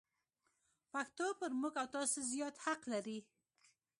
پښتو پر موږ او تاسو زیات حق لري.